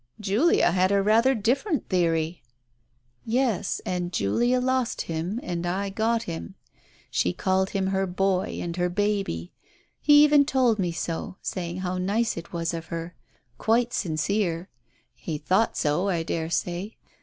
"Julia had a rather different theory I " "Yes, and Julia lost him and I got him. She called him her boy and her baby 1 He even told me so, saying how nice it was of her. Quite sincere ! He thought so, I daresay.